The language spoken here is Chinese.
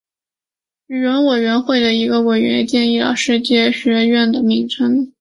语言委员会的一个委员建议了世界语学院的名称。